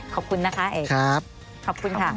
ขอบคุณนะคะเอ็กส์ขอบคุณค่ะค่ะ